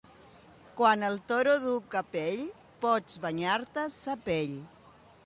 Quan el Toro du capell, pots banyar-te sa pell.